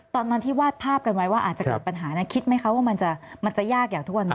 ตอนนั้นที่วาดภาพกันไว้ว่าอาจจะเกิดปัญหานะคิดไหมคะว่ามันจะยากอย่างทุกวันนี้